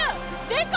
でか！